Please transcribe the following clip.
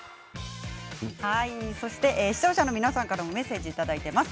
視聴者の皆さんからメッセージいただいています